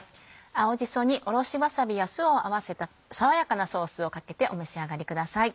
青じそにおろしわさびや酢を合わせた爽やかなソースをかけてお召し上がりください。